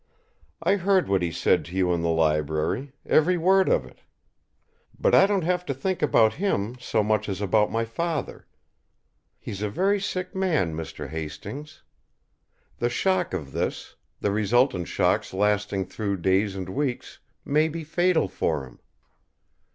I heard what he said to you in the library, every word of it. But I don't have to think about him so much as about my father. He's a very sick man, Mr. Hastings. The shock of this, the resultant shocks lasting through days and weeks, may be fatal for him.